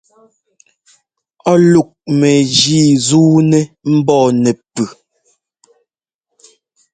Ɔ lúk mɛgǐ zuunɛ mbɔɔ nɛ́pʉ́.